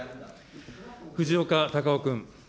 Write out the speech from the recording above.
藤岡隆雄君。